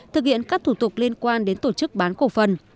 thực hiện các thủ tục liên quan đến tổ chức bán cổ phần